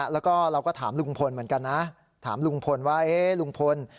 แล้วก็เราก็ถามลุงพลเหมือนกันนะถามลุงพลว่าลุงพล